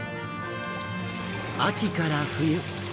秋から冬。